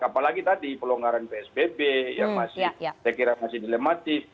apalagi tadi pelonggaran psbb yang masih saya kira masih dilematis